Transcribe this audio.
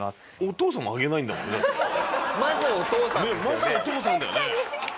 まずお父さんだよね。